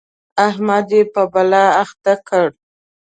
احمد يې په بلا اخته کړ.